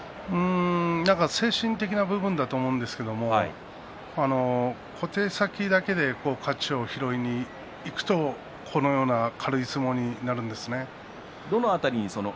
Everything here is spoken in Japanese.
精神的な部分だと思うんですが小手先だけで勝ちを拾いにいくとこのような軽い相撲になるんですね。